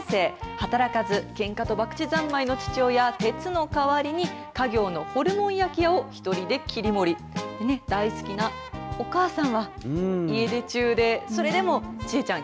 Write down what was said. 働かず、けんかとばくち三昧の父親テツの代わりに家業のホルモン焼き屋を１人で切り盛り大好きなお母さんは家出中でそれでもチエちゃん